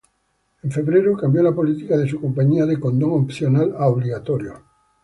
En febrero, cambió la política de su compañía de condón opcional a obligatorio.